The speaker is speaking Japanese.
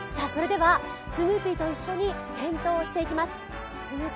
スヌーピーと一緒に点灯していきます。